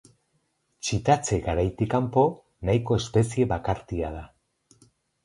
Txitatze-garaitik kanpo, nahiko espezie bakartia da.